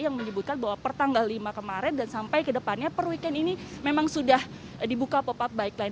yang menyebutkan bahwa pertanggal lima kemarin dan sampai kedepannya perweekend ini memang sudah dibuka pop up bike lane